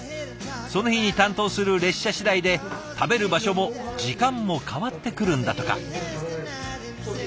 その日に担当する列車次第で食べる場所も時間も変わってくるんだとか。